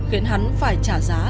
khiến hắn phải trả giá